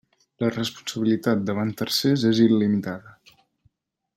La responsabilitat davant tercers és il·limitada.